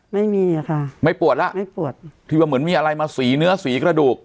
ไม่มีอ่ะค่ะไม่ปวดแล้วไม่ปวดที่ว่าเหมือนมีอะไรมาสีเนื้อสีกระดูก